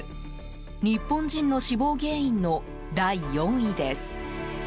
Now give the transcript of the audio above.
日本人の死亡原因の第４位です。